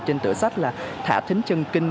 trên tựa sách là thả thính chân kinh